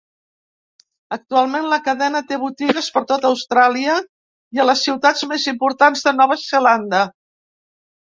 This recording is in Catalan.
Actualment la cadena té botigues per tot Austràlia i a les ciutats més importants de Nova Zelanda.